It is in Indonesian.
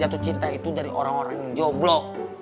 jatuh cinta itu dari orang orang yang joblo